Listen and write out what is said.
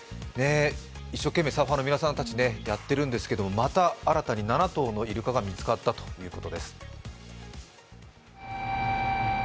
一生懸命サーファーの皆さんたち、やっているんですけど、また、新たに７頭のイルカが見つかったということです。